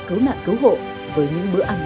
cứu nạn cứu hộ với những bữa ăn